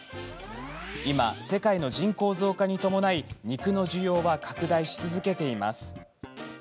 今、世界の人口増加に伴い肉の需要は拡大し続けています。